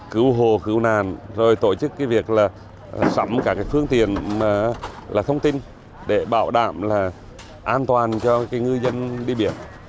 cứu hồ cứu nàn rồi tổ chức cái việc là sẵm cả cái phương tiện là thông tin để bảo đảm là an toàn cho cái ngư dân đi biển